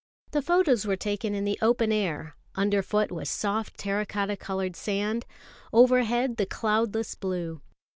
The photos were taken in the open air; underfoot was soft terra cotta coloured sand; overhead, the cloudless blue.